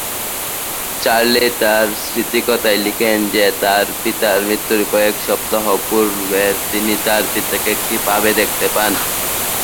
Charlie তার স্মৃতিকথায় লিখেন যে তার পিতার মৃত্যুর কয়েক সপ্তাহ পূর্বে তিনি তার পিতাকে একটি পাবে দেখতে পান।